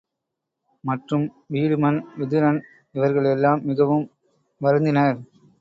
மற்றும் வீடுமன் விதுரன் இவர்கள் எல்லாம் மிகவும் வருந்தினர்.